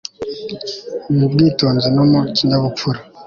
mu bwitonzi no mu kinyabupfura